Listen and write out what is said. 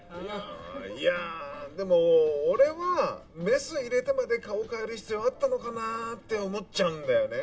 いやでも俺はメス入れてまで顔を変える必要あったのかなって思っちゃうんだよね。